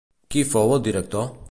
Qui fou el director?